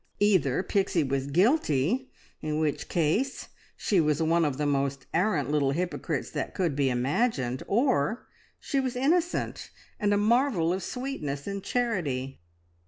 Either Pixie was guilty, in which case she was one of the most arrant little hypocrites that could be imagined, or she was innocent, and a marvel of sweetness and charity.